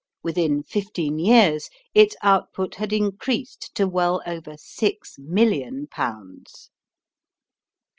Within fifteen years its output had increased to well over six million pounds.